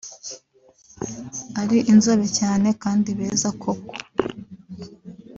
ari inzobe cyane kandi beza koko